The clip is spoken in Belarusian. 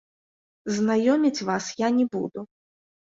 Знаёміць вас я не буду.